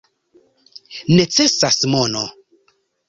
Necesas mono.